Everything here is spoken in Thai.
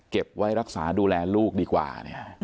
เก็บไว้รักษาดูแลลูกดีกว่า